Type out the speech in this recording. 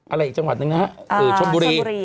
อะไรอีกจังหวัดหนึ่งนะฮะชนบุรี